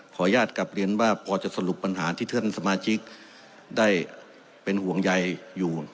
อนุญาตกลับเรียนว่าพอจะสรุปปัญหาที่ท่านสมาชิกได้เป็นห่วงใยอยู่